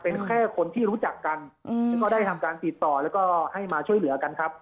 เป็นแค่คนที่รู้จักกันซึ่งก็ได้ทำการติดต่อแล้วก็ให้มาช่วยเหลือกันครับ